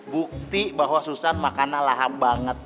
bukti bahwa susan makannya lahap banget